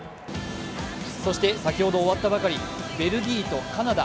そして、先ほど終わったばかりベルギーとカナダ。